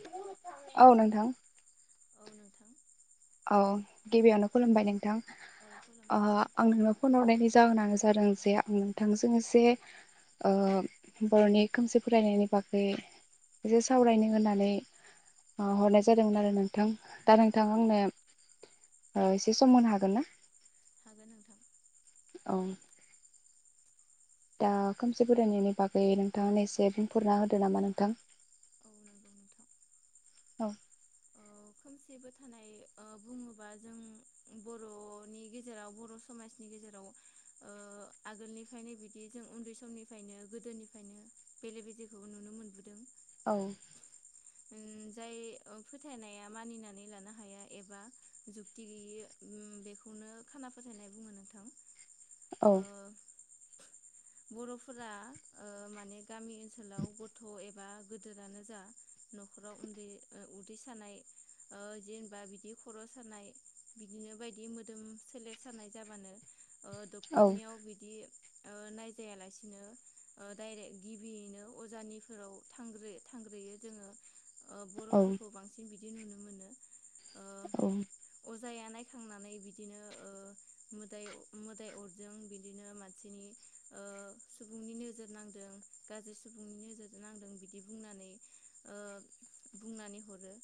[unintelligible] औ नोंथां। [inaudible] औ गिबियावनो खुलुमबाय नोंथां औ अ खुलुमबाय नोंथां आं नोंनाव फन हरनायनि जाहोनानो जा [unintelligible] आं नोंथांजों एसे ओ बर'नि खोमसि फोथायनायनि बागै एसे सावरायनो होननानै मा [unintelligible] हरनाय जादोंमोन आरो नोंथां दा औ नोंथां आंनो ओ एसे सम होनो हागोनना? [inaudible] औ दा खोमसि फोथायनायनि बागै नोंथाङा नो एसे बुंफोरना होदो नामा नोंथां औ नंगौ नोंथां औ औ खोमसि फोथायनाय ओ बुङोबा जों बर'नि गेजेराव बर' समाजनि गेजेराव ओ आगोलनिफ्रायनो बिदि जों उन्दै समनिफ्रायनो गोदोनिफ्रायनो बेले बेजेखौ नुनो मोनबोदों। औ उ जाय ओ फोथायनाया मानिनानै लानो हाया एबा जुक्ति गैयि उ बेखौनो खाना फोथायनाय बुङो नोंथां। औ ओ बरफोरा ओ माने गामि ओनसोलाव गथ' एबा गोदोरानो जा नखराव उन्दै उदै सानाय ओ जेनबा बिदि खरसानाय बिदिनो बायदि मोदोम सोलेर सानाय जाबानो ओ औ डक्टरनियाव बिदि ओ नायजायालासिनो ओ डायरेक्ट गिबियैनो अजानिफोराव थांग्रोय थांग्रोयो जोङो। ओ औ बर'फोरखौ बांसिन बिद बिदि नुनो मोनो। ओ औ अजाया नायखांनानै बिदिनो ओ मोदाय मोदाय अरदों बिदिनो मानसिनि ओ सुबुंनि नोजोर नांदों गाज्रि सुबुंनि नोजोर नांदों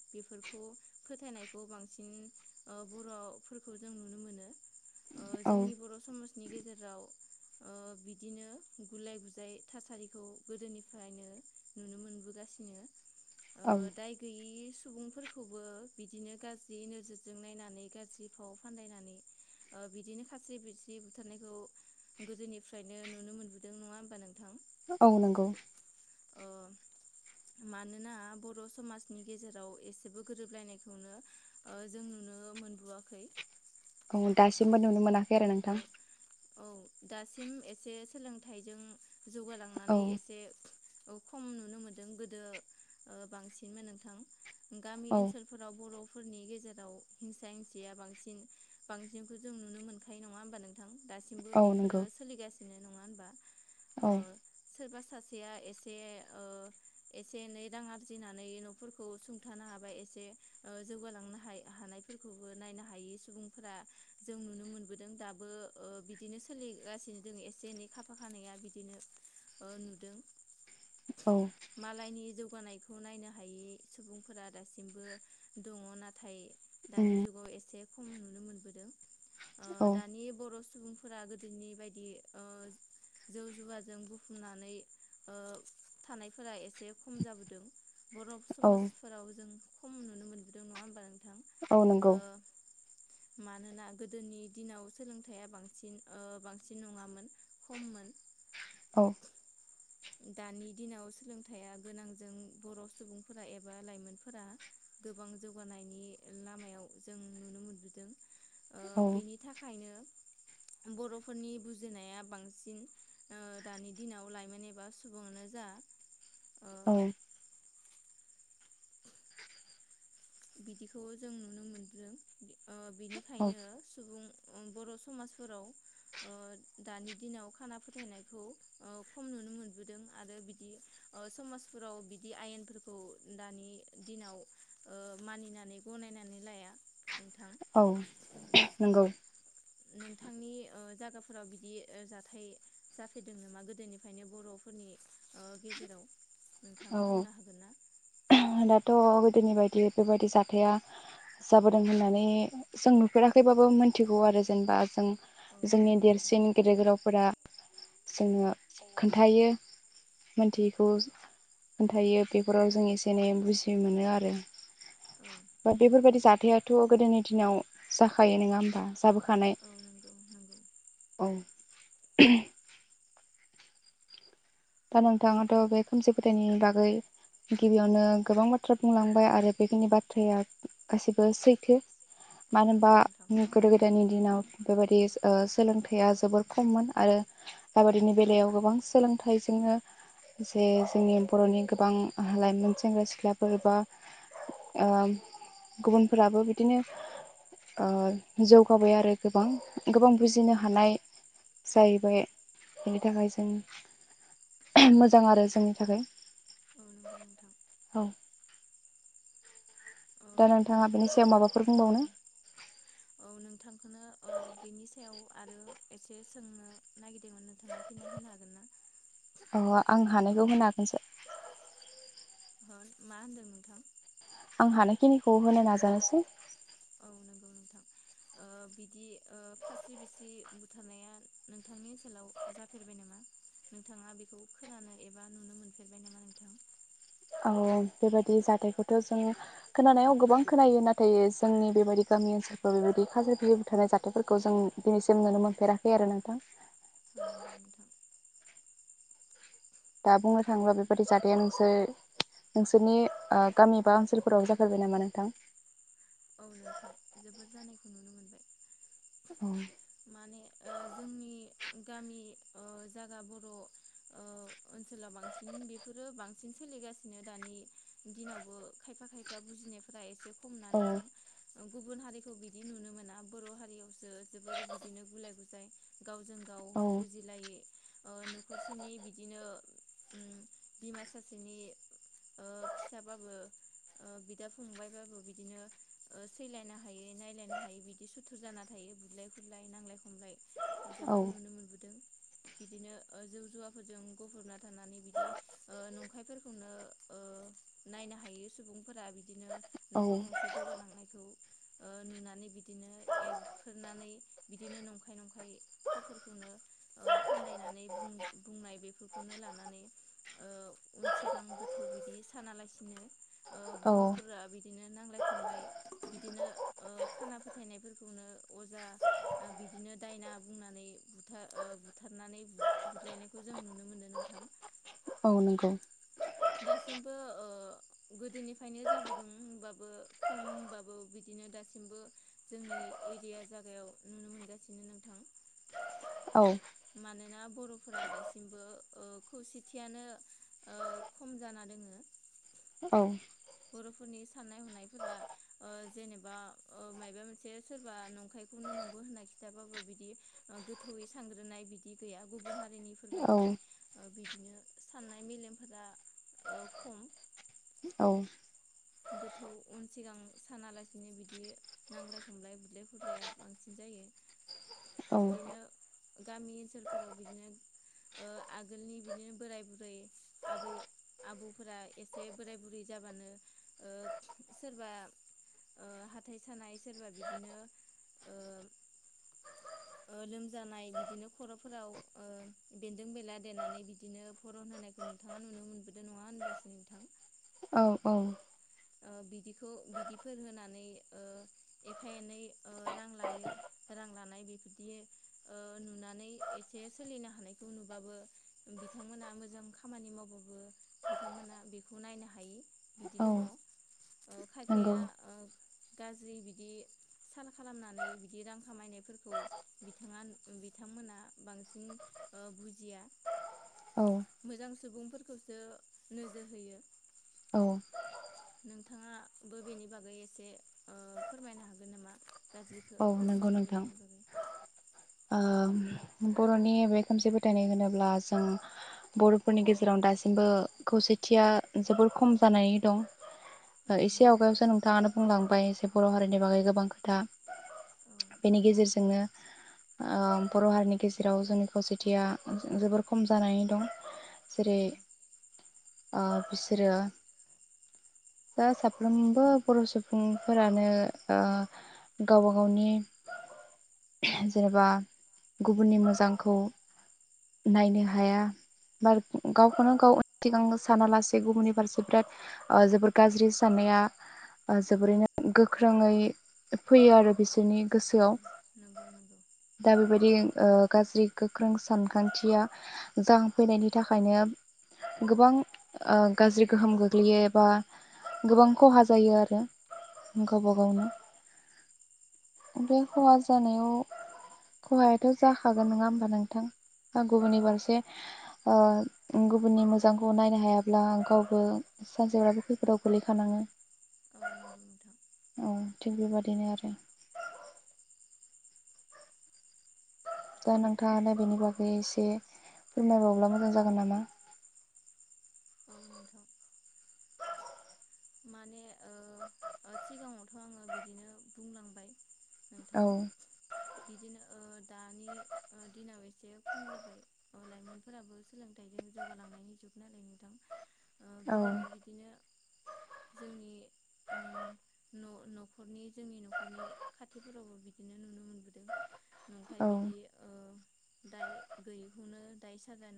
बेफोरखौ फोथायनायखौ बांसिन ओ बर'फोरखौ जों नुनो मोनो। ओ औ जोंनि बर' समाजनि गेजेराव ओ बिदिनो गुलाय गुजाय थासारिखौ गोदोनिफ्रायनो नुनो मोनबोगासिनो। ओ औ दाय गैयि सुबुंफोरखौबो बिदिनो गाज्रि नोजोरजों नायनानै गाज्रि फाव फानदायनानै बिदिनो खास्रि बिरस्रि बुथारनायखौ गोदोनिफ्रायनो नुनो मोनबोदों नङा होमबा नोंथां? औ नंगौ। ओ मानोना बर' समाजनि गेजेराव एसेबो गोरोबलायनायखौनो ओ जों नुनो मोनबोआखै। औ दासिमबो नुनो मोना [unintelligible] रो औ नोंथां औ दासिम एसे सोलोंथाइजों औ जौगालांनानै एसे औ खम नुनो मोन्दों गोदो बांसिनमोन नोंथां। गामि औ ओनसोलफोराव बर' फोरनि गेजेराव हिंसा हिंसिया बांसिन बांसिनखौ जों नुनो मोनो नङा होनबा नोंथां दासिमबो औ बेफोरो नंगौ सोलिगासिनो बिदिनो नङा होनबा औ सासेया एसे ओ एसे एनै रां आरजिनानै नफोरखौ सुंथानो हाबाय एसे जौगालांनो हानायफोरखौबो नायनो हायि सुबुंफोरा जों नुनो मोन दों दाबो ओ बिदिनो सोलिगासिनो दङ एसे एनै खाफा खानैया बिदिनो नुदों औ मालायनि जौ जौगानायखौ नायनो हायि सुबुंफोरा दासिमबो दङ नाथाय उम दानि जुगाव एसे खम नुनो मोनबोदों ओ औ दानि बर सुबुंफोरा गोदोनि बायदि ओ जौ जुवाजों बुफुंनानै ओ थानायफोरा एसे खम जाबोदों बर' औ समाजफोराव जों खम नुनो मोनबोदों नङा होमबा नोंथां औ नंगौ ओ मानोना गोदोनि दिनाव सोलोंथाइया बांसिन ओ बांसिन नङामोन खममोन औ दानि दिनाव सोलोंथाइया गोनांजों बर' सुबुंफोरा एबा लाइमोनफोरा गोबां जौगानायनि लामायाव जों नुनो मोनबोदों। ओ औ बिनि थाखायनो बर'फोरनि बुजिनाया बांसिन ओ दानि दिनाव लाइमोन ए बा सुबुंआनो जा ओ औ बिदिखौ जों नुनो मोनदों ओ बिनिखायनो सुबुं बर' समाजफोराव ओ दानि दिनाव खाना फोथायनायखौ ओ खम नुनो मोनबोदों आरो बिदि ओ समाजफोराव बिदि आयेनफोरखौ दानि दिनाव ओ मानिनानै गनायनानै लाया नोंथा औ नंगौ नोंथांनि ओ जागाफोराव बिदि जाथाय जाफेरदों नामा गोदोनिफ्रायनो बर'फोरनि ओ गेजेराव नोंथां औ बुंनो हागोन ना? दाथ' गोदोनि बायदि बेबायदि जाथाया जाबोदों होननानै जों नुफेराखैबाबो मोनथिगौ आरो जेनेबा जों औ जोंनि नंगौ नोंथां देरसिन गेदेर गोलावफोरा जोङो खोन्थायो मोनथियैखौ खोन्थायो बेफोराव जों एसे जेने बुजि मोनो आरो औ बा बेफोरबायदि जा थायाथ' गोदोनि दिनाव जाखायो नङा होमबा? जाबो खानाय। औ नंगौ नंगौ औ। [inaudible] दा नोंथाङाथ' बे खोमसि फोथायनायनि बागै गिबियावनो गोबां बाथ्रा बुंलांबाय आरो बेखिनि बाथ्राया गासैबो सैथो औ मानो होनबा नंगौ नोंथां गोदो गोदायनि दिनाव बेबादि ओ सोलोंथाइया जोबोर खममोन आरो बेबादिनि बेलायाव गोबां सोलोंथाइ दङ जे जोंनि बर'नि गोबां ओ लाइमोन सेंग्रा सिख्लाफोर बा ओ गुबुनफोराबो बिदिनो ओ जौगाबाय आरो गोबां गोबां बुजिनो हानाय जाहैबाय बेनि थाखाय जों मोजां आरो जोंनि थाखाय औ नंगौ नोंथां औ। औ दा बेनि नोंथाङा सायाव माबाफोर औ बुंबावनो औ नोंथांखौनो ओ बेनि सायाव आरो एसे सोंनो नागिरदोंमोन नोंथाङा फिननाय होनो हागोन ना? अ आं ओ हानायखौ होना होनसे। ह मा होनदों नोंथां? आं हानायखिनिखौ होनो नाजानोसै। औ नंगौ नोंथां ओ बिदि ओ खास्रि बिस्रि बुथारनाया नोंथांनि ओनसोलाव जाफेरबाय नामा नोंथाङा बेखौ खोनानो एबा नुनो मोनफेरबाय नामा नोंथां? औ बेबायदि जाथायखौथ' जों खोनानायाव गोबां खोनायो नाथाय जोंनि बेबायदि गामि ओनसोलफोर बेबायदि खास्रि बिस्रि बुथारनाय जाथायफोरखौ जों दिनैसिम नुनो मोनफेराखै आरो नोंथां। औ नंगौ नोंथां दा बुंनो थाङोब्ला बेबायदि जाथाया नोंसोर नोंसोरनि ओ गामि बा ओनसोलफोराव जाफेरबाय नामा नोंथां? औ नोंथां जोबोर जानायखौ नुनो मोनबाय। औ माने ओ जोंनि गामि ओ जागा बर' ओ ओनसोलाव बांसिन बेफोरो बांसिन सोलिगासिनो दानि दिनावबो खायफा खायफा बुजिनायफोरा एसे बुङोना औ नोंथां गुबुन हारिखौ बिदि नुनो मोना बर' हारियावसो जोबोर बिदिनो गुलाय गुजाय गावजों गाव औ बुजिलायै ओ न'खरसेनि बिदिनो उम बिमा सासेनि ओ फिसाबाबो ओ बिदा फंबायबाबो बिदिनो ओ सैलायनो हायै नायलायनो हायै बिदि सुथुर जाना थायो बुलाय खुरलाय नांलाय खम लाय जोबोर नुनो मोनबोदों। बिदिनो ओ जौ जुवाफोरजों गुफबना थानानै बिदि ओ नंखायफोरखौनो ओ नायनो हायै सुबुं फोरा बिदिनो औ न'खर गंसे जौगालांनाय ओ नुनानै बिदिनो एरफ्रोरनानै बिदिनो नंखाय नंखाय फावफोरखौनो ओ फान्दायनानै बुं बुंनाय बेफोरखौनो लानानै ओ उन सिगां गोथौ बिदि सानालासिनो ओ औ बर'फोरा बि दिनो नांलाय खमलाय बिदिनो ओ खाना फोथायनायफोरखौनो अजा ओ बिदिनो दायना बुंनानै बुथार ओ बुथारनानै बुद बुदलायनायखौ जों नुनो मोनो नोंथां। औ नंगौ। दासिमबो ओ गोदोनिफायनो जाबुदों होनबाबो खम होनबाबो बिदिनो दासिमबो जोंनि एरिया जागायाव नुनो मोनगासिनो नोंथां। औ मानोना बर'फोरा दासिमबो ओ खौसेथियानो ओ खम जाना दोङो। औ। बर'फोरनि साननाय हनायफोरा ओ जेनोबा ओ मायबा मोनसे सोरबा नंखायखौनो नंगौ होनना खिथाबाबो बिदि ओ गोथौयै सानांग्रोनाय बिदि गैया गुबुन औ हारिनिफोरबायदि ओ बिदिनो साननाय मेलेमफोरा ओ खम गोथौ उन सिगां सानालासिनो बिदि नांलाय खमलाय बुदलाय खुदलाया बांसिन जायो, औ बिदिनो गामि ओनसोलफोराव बिदिनो ओ आगोलनि बिदिनो बोराय बुरै, आबै आबौफोरा एसे बोराय बुरि जाबानो ओ सोरबा ओ हाथाय सानाय सोरबा बिदिनो ओ ओ लोमजानाय बिदिनो खर'फोराव ओ बेन्दों बेनला देनानै बिदिनो फरन होनायखौ नोंथाङा नुनो मोनबोदों नङा होनबासै नोंथां? औ औ। ओ बिदिखौ बिदिफोर होनानै ओ एफा एनै ओ रां लायो, रां लानाय बेफोरदि ओ नुनानै एसे सोलिनो हानायखौ नुबाबो बिथांमोना मोजां खामानि मावबाबो बिथांमोना बेखौ नायनो हायि औ बिदि दङ। ओ खायफाया नंगौ ओ गाज्रि बिदि साल खालामनानै बिदि रां खामायनायफोरखौ बिथाङा बिथांमोना बांसिन ओ बुजिया। औ मोजां सुबुंफोरखौसो नोजोर होयो। औ नोंथाङाबो बेनि बागै एसे फोरमायनो ओ हागोन नामा? गाज्रि खो औ गोहोम नंगौ नोंथां खोलैनायनि बागै। ओ बर'नि बे खोमसि फोथायनाय होनोब्ला जों बर'फोरनि गेजेराव दासिमबो खौसेथिया जोबोर खम जानानै दं। नंगौ एसे नोंथां आवगायावसो नोंथाङानो बुंलांबाय जे बर' हारिनि बागै गोबां खोथा औ बेनि गेजेरजोंनो ओ बर' हारिनि गेजेराव जोंनि खौसेथिया जोबोर खम जानानै दं औ जेरै- ओ बिसोरो दा साफ्रोमबो बर' सुबुंफोरानो ओ गावबा गावनि जेनेबा गुबुननि मोजांखौ नायनो हाया बा गावखौनो गाव सिगां सानालासे गुबुननि फारसे बिराद ओ जोबोर गाज्रि साननाया ओ जोबोरैनो गोख्रोङै फैयो आरो बिसोरनि औ गोसोआव नंगौ नंगौ दा बेबायदि ओ गाज्रि गोख्रों सानखान्थिया जांखांफैनायनि थाखायनो गोबां ओ गाज्रि गोहोम गोग्लैयो एबा गोबां खहा जायो आरो। औ गावबा गावनो बे खहा जानायाव खहायाथ' जाखागोन नङा होमबा नोंथां गुबुननि फारसे ओ गुबुननि मोजांखौ नायनो हायाब्ला गावबो सानसेबाबो खैफोदाव गोलैखानांङो। औ नंगौ नोंथां। थिग बेबादिनो आरो दा नोंथाङानो बेनि बागै एसे फोरमायबावब्ला मोजां जागोन नामा? औ नोंथां। माने ओ ओ सिगाङावथ' आङो बिदिनो बुंलांबाय औ नोंथां बिदिनो ओ दानि ओ दिनाव एसे खम जाबाय ओ लाइमोनफोराबो सोलोंथाइजों जौगालांनायनि जुग नालाय नोंथां ओ औ गोदोनो बिदिनो जोंनि ओम न'-न'खरनि जोंनि न'खरनि खाथिफोरावबो बिदिनो नुनो मोनबोदों। नंखाय औ बिदि ओ दाय गैयिखौनो दायसाजायना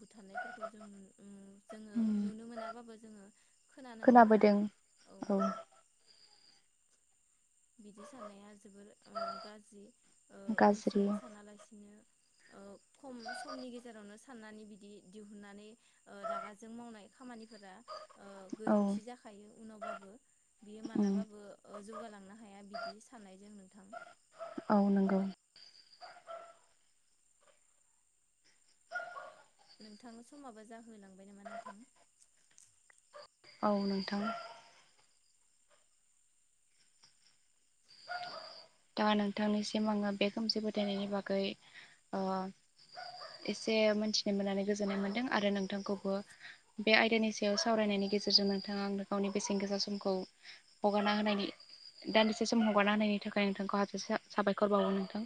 बुथारनायफोरखौ जो नु-नु जोङो नुनो मोनाबाबो जोङो खोनानो खोनाबोदों मोनबोदों औ औ बिदि साननाया जोबोर ओ गाज्रि ओ उन गाज्रि सिगां सानालासिनो औ खम समनि गेजेरावनो साननानै बिदि दिहुननानै ओ रागाजों मावनाय खामानि फोरा ओ औ गोरोन्थि जाखायो उनावबाबो बियो उम मालाबाबो ओ जौगालांनो हा हाया बिदि साननायजों नोंथां औ नंगौ नोंथां समाबो जाहोलांबाय नामा नोंथां औ नोंथां। दा नोंथांनिसिम आङो बे खोमसि फोथायनायनि बागै ओ एसे मोनथिनो मोननानै गोजोननाय मोनदों आरो नोंथांखौबो बे आयदानि सायाव सावरायनायनि गेजेरजों नोंथाङा आंनो गावनि बेसेन गोसा समखौ हगारना होनायनि दान्दि से सम हगारना होनायनि थाखाय आं नोंथांखौ हाजासे साबायखर बावो नोंथां।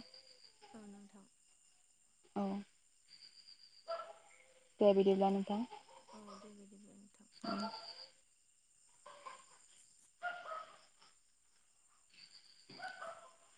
औ नोंथां। औ दे बिदिब्ला नोंथां। औ दे दे दे दे। औ [inaudible]